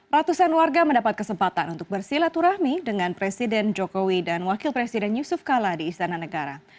ratusan warga mendapat kesempatan untuk bersilaturahmi dengan presiden jokowi dan wakil presiden yusuf kala di istana negara